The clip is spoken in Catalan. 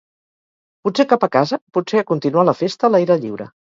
Potser cap a casa, potser a continuar la festa a l’aire lliure.